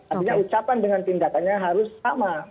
artinya ucapan dengan tindakannya harus sama